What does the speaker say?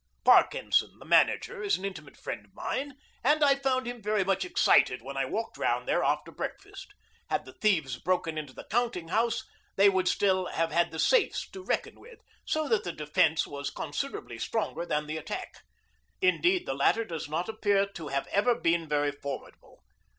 Parkenson, the manager, is an intimate friend of mine, and I found him very much excited when I walked round there after breakfast. Had the thieves broken into the counting house, they would still have had the safes to reckon with, so that the defence was considerably stronger than the attack. Indeed, the latter does not appear to have ever been very formidable.